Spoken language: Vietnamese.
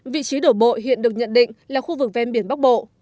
vị trí đổ bộ hiện được nhận định là khu vực ven biển bắc bộ